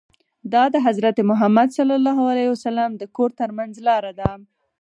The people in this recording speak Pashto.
دا د حضرت محمد ص د کور ترمنځ لاره ده.